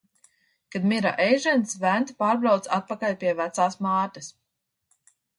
Kad mira Eižens, Venta pārbrauca atpakaļ pie vecās mātes.